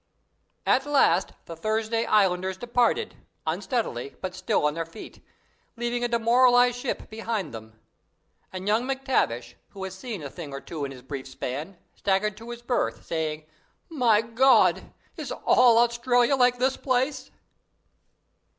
"At last the Thursday Islanders departed, unsteadily, but still on their feet, leaving a demoralized ship behind them. And young MacTavish, who has seen a thing or two in his brief span, staggered to his berth, saying, 'My God! Is all Australia like this place?'"